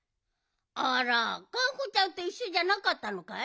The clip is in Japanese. あらがんこちゃんといっしょじゃなかったのかい？